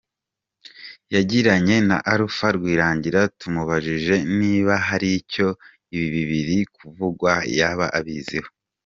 com, yagiranye na Alpha Rwirangira, tumubajije niba hari icyo ibi biri kuvugwa yaba abiziho.